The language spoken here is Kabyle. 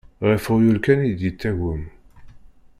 Ɣef uɣyul kan i d-yettagem.